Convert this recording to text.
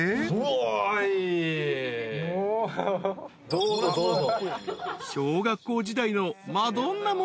どうぞどうぞ。